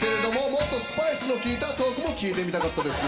もっとスパイスの効いたトークも聞いてみたかったですよね。